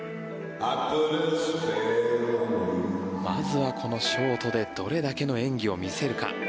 まずはこのショートでどれだけの演技を見せるか。